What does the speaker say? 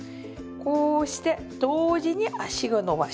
こうして同時に足を伸ばし。